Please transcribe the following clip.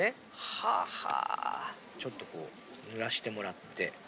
ちょっとこう塗らしてもらって。